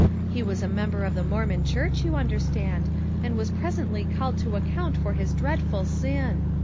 He was a member of the Mormon church, you understand, and was presently called to account for his dreadful sin.